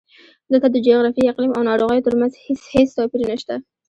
دلته د جغرافیې، اقلیم او ناروغیو ترمنځ هېڅ توپیر نشته.